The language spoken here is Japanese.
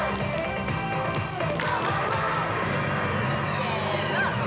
せの！